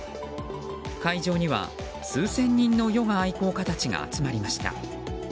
会場には数千人のヨガ愛好家たちが集まりました。